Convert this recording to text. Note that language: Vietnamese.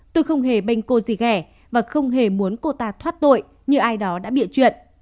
tôi không hề bênh cô gì ghẻ và không hề muốn cô ta thoát tội như ai đó đã bịa chuyện